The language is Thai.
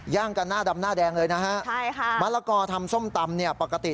กันหน้าดำหน้าแดงเลยนะฮะใช่ค่ะมะละกอทำส้มตำเนี่ยปกติ